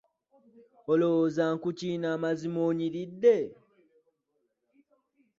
Olowooza nkukiina amazima onyiridde?